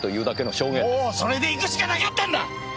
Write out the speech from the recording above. もうそれでいくしかなかったんだ！！